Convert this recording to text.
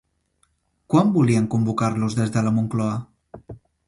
Quan volien convocar-la des de la Moncloa?